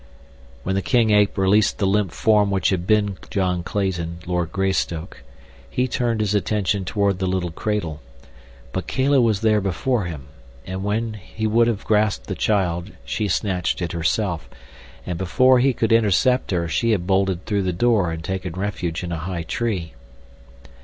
When the king ape released the limp form which had been John Clayton, Lord Greystoke, he turned his attention toward the little cradle; but Kala was there before him, and when he would have grasped the child she snatched it herself, and before he could intercept her she had bolted through the door and taken refuge in a high tree.